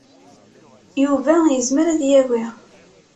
Yuba yezmer ad yagi.